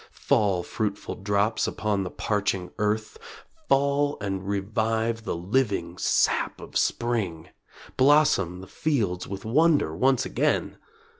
Fall, fruitful drops, upon the parching earth, Fall, and revive the living sap of spring; Blossom the fields with wonder once again!